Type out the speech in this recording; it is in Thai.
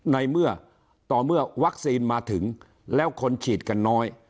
ในเมื่อต่อเมื่อวัคซีนมาถึงแล้วคนฉีดกันน้อย